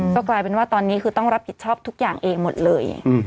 ก็กลายเป็นว่าตอนนี้คือต้องรับผิดชอบทุกอย่างเองหมดเลย